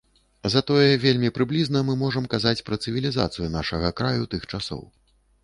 Затое вельмі прыблізна мы можам казаць пра цывілізацыю нашага краю тых часоў.